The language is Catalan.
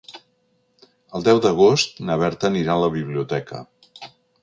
El deu d'agost na Berta anirà a la biblioteca.